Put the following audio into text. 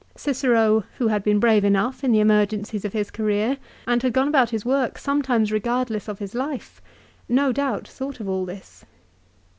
Cicero, who had been brave enough in the emergencies of his career, and had gone about his work sometimes regardless of his life, no doubt thought of all this.